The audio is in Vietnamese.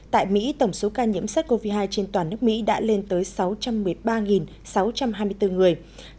tại mỹ tổng số ca nhiễm sars cov hai trên toàn nước mỹ đã lên tới sáu trăm một mươi ba sáu trăm hai mươi bốn người